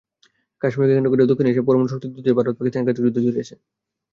কাশ্মীরকে কেন্দ্র করে দক্ষিণ এশিয়ার পরমাণু শক্তিধর দুই দেশ ভারত-পাকিস্তান একাধিক যুদ্ধে জড়িয়েছে।